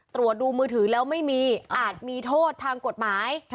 ตรวจดูมือถือแล้วไม่มีอาจมีโทษทางกฎหมาย